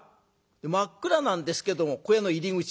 真っ暗なんですけども小屋の入り口